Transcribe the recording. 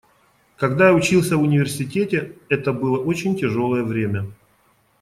Когда я учился в университете, это было очень тяжелое время.